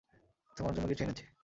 তোমার জন্য কিছু এনেছি।